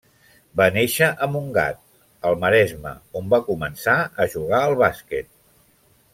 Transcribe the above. Va néixer a Montgat, al Maresme, on va començar a jugar al bàsquet.